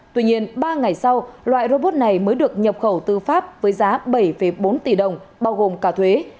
tuy nhiên ba ngày sau loại robot này mới được nhập khẩu tư pháp với giá bảy bốn tỷ đồng bao gồm cả thuế